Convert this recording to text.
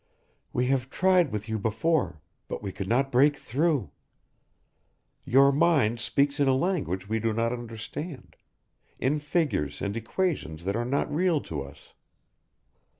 "We have tried with you before, but we could not break through. Your mind speaks in a language we do not understand, in figures and equations that are not real to us.